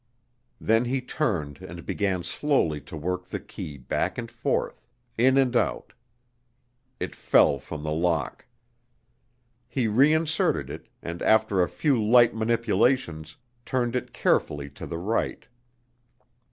Then he turned and began slowly to work the key back and forth, in and out. It fell from the lock. He reinserted it and after a few light manipulations, turned it carefully to the right.